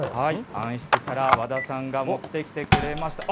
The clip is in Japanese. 暗室から和田さんが持ってきてくれました。